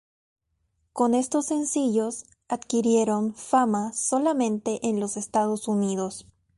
Con estos sencillos adquirieron fama solamente en los Estados Unidos.